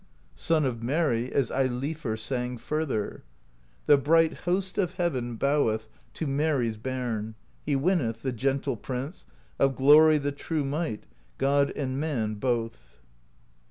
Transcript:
Son of Mary, as Eilifr sang further: The bright Host of Heaven boweth To Mary's Bairn: He winneth. The Gentle Prince, of glory The true might, God and man both.